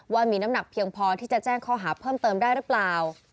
ว่ามีน้ำหนักเพียงพอที่จะแจ้งข้อหาเพิ่มเติมได้หรือเปล่า